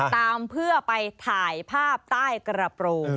ตามเพื่อไปถ่ายภาพใต้กระโปรง